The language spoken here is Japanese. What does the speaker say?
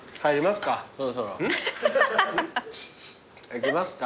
行きますか。